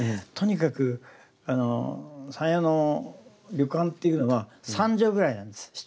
とにかく山谷の旅館っていうのは３畳ぐらいなんです